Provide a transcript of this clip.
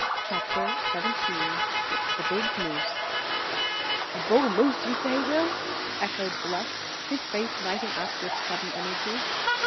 CHAPTER XVII THE BIG MOOSE "A bull moose, you say, Will?" echoed Bluff, his face lighting up with sudden energy.